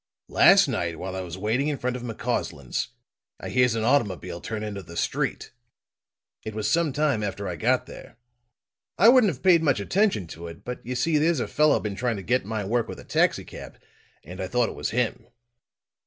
Last night while I was waiting in front of McCausland's, I hears an automobile turn into the street. It was some time after I got there. I wouldn't have paid much attention to it, but you see there's a fellow been trying to get my work with a taxicab, and I thought it was him."